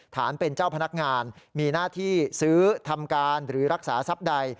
ฐานเป็นเจ้าพนักงานมีหน้าที่ซื้อทำการหรือรักษาทรัพย์ใด